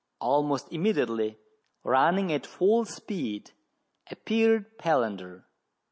Almost immediately, running at full speed, appeared Palander.